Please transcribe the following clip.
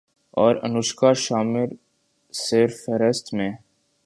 اور انوشکا شرما سرِ فہرست ہیں